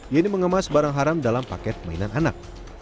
ia ini mengemas barang haram dalam paket mainan anak